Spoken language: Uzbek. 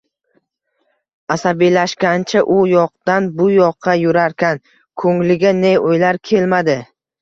Asabiylashgancha u yoqdan bu yoqqa yurarkan, ko`ngliga ne o`ylar kelmadi